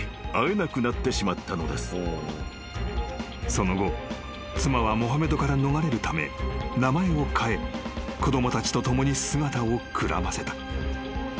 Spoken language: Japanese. ［その後妻はモハメドから逃れるため名前を変え子供たちと共に姿をくらませた］